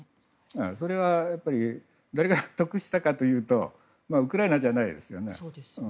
それは、誰が得したかというとウクライナじゃないですよね。